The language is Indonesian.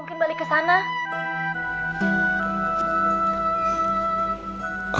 mungkin balik kesana